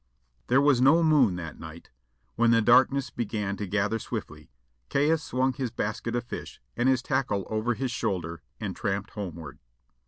There was no moon that night. When the darkness began to gather swiftly, Caius swung his basket of fish and his tackle over his shoulder and tramped homeward.